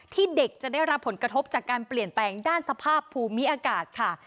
เด็กจะได้รับผลกระทบจากการเปลี่ยนแปลงด้านสภาพภูมิอากาศค่ะ